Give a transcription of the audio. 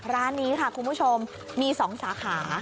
ร้านนี้ค่ะคุณผู้ชมมี๒สาขา